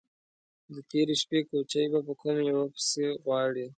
_د تېرې شپې کوچی به په کومه يوه کې پسې غواړې؟